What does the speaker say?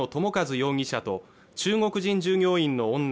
容疑者と中国人従業員の女